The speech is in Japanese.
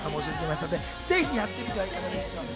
ぜひやってみてはいかがでしょうか。